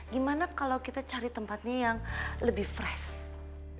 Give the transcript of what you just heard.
gimana kalau kita cari tempatnya yang lebih fresh